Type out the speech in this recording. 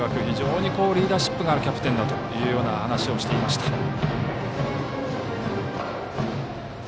非常にリーダーシップがあるキャプテンだという話をしていました。